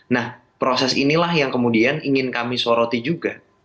nah proses inilah yang kemudian ingin kami soroti juga